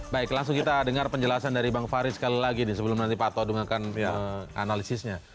baik langsung kita dengar penjelasan dari bang farid sekali lagi nih sebelum nanti pak to dengarkan analisisnya